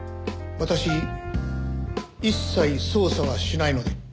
私一切捜査はしないので。